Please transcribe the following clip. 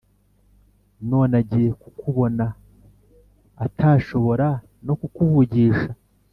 none agiye kukubona atashobora nokukuvugisha